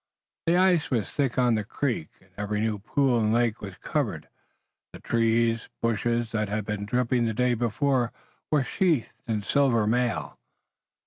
The ice was thick on the creek, and every new pool and lake was covered. The trees and bushes that had been dripping the day before were sheathed in silver mail.